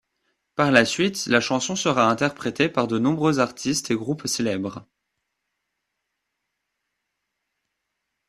Par la suite, la chanson sera interprétée par de nombreux artistes et groupes célèbres.